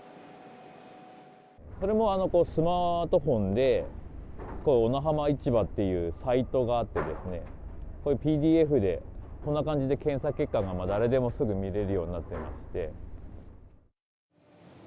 それもスマートフォンで、小名浜市場っていうサイトがあってですね、ＰＤＦで、こんな感じで検査結果が誰でもすぐ見れるようになってまして。